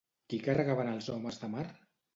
Qui carregaven els homes de mar?